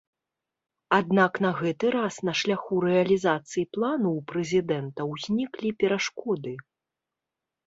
Аднак на гэты раз на шляху рэалізацыі плану ў прэзідэнта ўзніклі перашкоды.